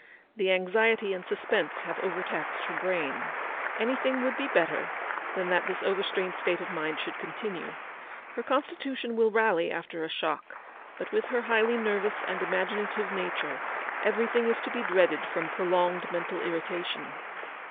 The anxiety and suspense have overtaxed her brain. Anything would be better than that this overstrained state of the mind should continue. Her constitution will rally after a shock; but with her highly nervous and imaginative nature, everything is to be dreaded from prolonged mental irritation.